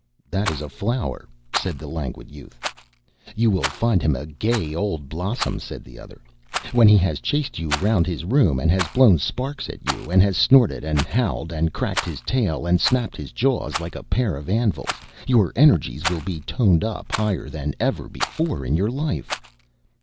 "That is a flower," said the Languid Youth. "You will find him a gay old blossom," said the other. "When he has chased you round his room, and has blown sparks at you, and has snorted and howled, and cracked his tail, and snapped his jaws like a pair of anvils, your energies will be toned up higher than ever before in your life."